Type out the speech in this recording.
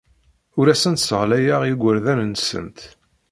Ur asen-sseɣyaleɣ igerdan-nsent.